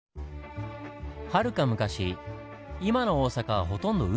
はるか昔今の大阪はほとんど海でした。